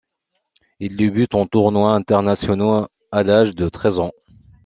Il débute en tournois internationaux à l’âge de treize ans.